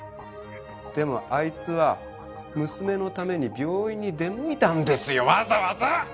でもあいつは娘のために病院に出向いたんですよわざわざ！